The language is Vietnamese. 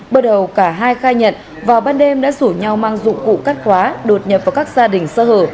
bước đầu cả hai khai nhận vào ban đêm đã rủ nhau mang dụng cụ cắt khóa đột nhập vào các gia đình sơ hở